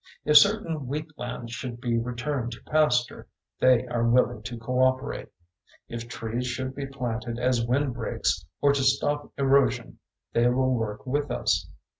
If certain wheat lands should be returned to pasture they are willing to cooperate. If trees should be planted as windbreaks or to stop erosion they will work with us.